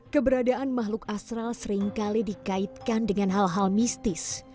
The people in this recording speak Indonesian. keberadaan makhluk astral seringkali dikaitkan dengan hal hal mistis